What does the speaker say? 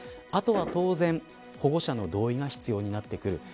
あとは当然保護者の同意が必要になってくる。